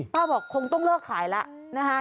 บอกคงต้องเลิกขายแล้วนะคะ